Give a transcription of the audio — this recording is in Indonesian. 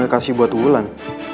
terima kasih buat ulan